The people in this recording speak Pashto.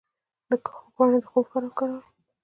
د کاهو پاڼې د خوب لپاره وکاروئ